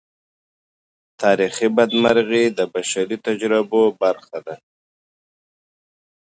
تاریخي بدمرغۍ د بشري تجربو برخه ده.